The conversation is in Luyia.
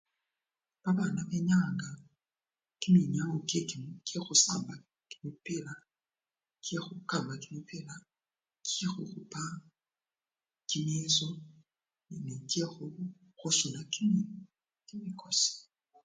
Babana benyayanga kiminyawo kyekhusamb! kyeki! kyekhukhupa kumupira, kyekhukama kumupira, kyekhukhupa kimyeso nende kyekhusuna kimikosi.